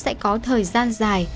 thì hắn sẽ có thời gian dài